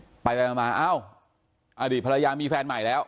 ไปไปมาเอ้าอดีตภรรยามีแฟนใหม่แล้ว